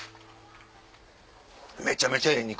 めちゃめちゃええ肉！